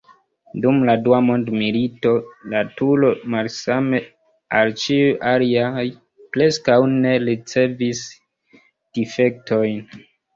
Dum la Dua mondmilito la turo, malsame al ĉiuj aliaj, preskaŭ ne ricevis difektojn.